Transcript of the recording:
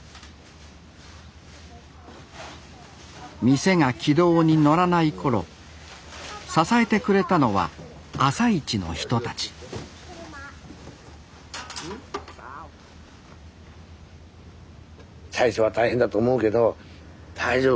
店が軌道に乗らない頃支えてくれたのは朝市の人たち「最初は大変だと思うけど大丈夫」。